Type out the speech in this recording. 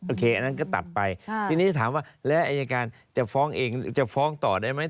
อันนั้นก็ตัดไปทีนี้ถามว่าแล้วอายการจะฟ้องเองจะฟ้องต่อได้ไหม